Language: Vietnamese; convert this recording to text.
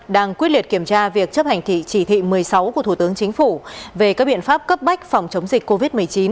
đang quyết liệt kiểm tra việc chấp hành thị chỉ thị một mươi sáu của thủ tướng chính phủ về các biện pháp cấp bách phòng chống dịch covid một mươi chín